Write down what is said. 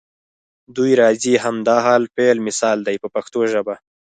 دوی راځي هم د حال فعل مثال دی په پښتو ژبه.